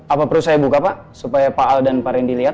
apa perlu saya buka pak supaya pak al dan pak rendy lihat